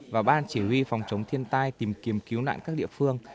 và ban chỉ huy phòng chống thiên tai tìm kiếm cứu nạn các địa phương